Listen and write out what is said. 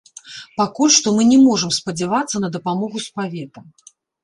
Пакуль што мы не можам спадзявацца на дапамогу з павета.